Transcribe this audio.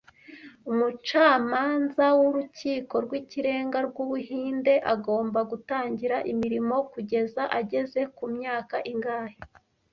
Umucamanza w'Urukiko rw'Ikirenga rw'Ubuhinde agomba gutangira imirimo kugeza ageze ku myaka ingahe